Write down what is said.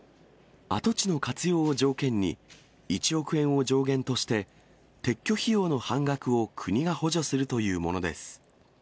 跡地の活用を条件に、１億円を上限として、撤去費用の半額を国が補助するというものです。